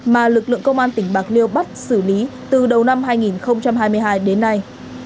mà lực lượng công an tỉnh bạc liêu bắt xử lý từ đầu năm hai nghìn hai mươi hai đến nay